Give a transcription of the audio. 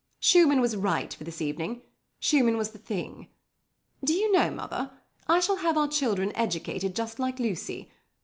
Schumann was right for this evening. Schumann was the thing. Do you know, mother, I shall have our children educated just like Lucy.